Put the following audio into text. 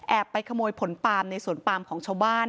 ไปขโมยผลปาล์มในสวนปามของชาวบ้าน